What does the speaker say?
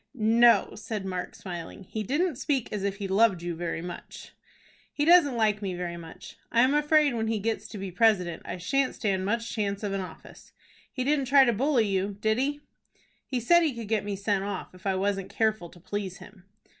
"No," said Mark, smiling; "he didn't speak as if he loved you very much." "He doesn't like me very much. I am afraid when he gets to be president I shan't stand much chance of an office. He didn't try to bully you, did he?" "He said he could get me sent off if I wasn't careful to please him."